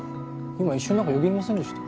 今一瞬なんかよぎりませんでした？